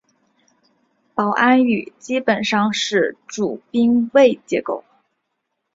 保安语基本上是主宾谓结构。